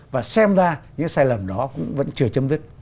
và xem ra những sai lầm đó cũng vẫn chưa chấm dứt